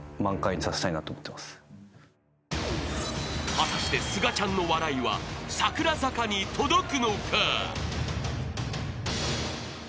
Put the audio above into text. ［果たしてすがちゃんの笑いは櫻坂に届くのか？］